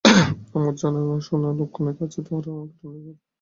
আমার জানাশুনা লোক অনেক আছেন, তাঁহারা আমাকে টানাটানি করিয়া লইয়া বেড়ান।